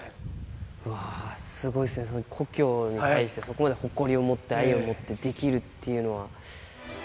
うわー、すごいですね、故郷に対してそこまで誇りを持って、愛を持ってできるっていうのは。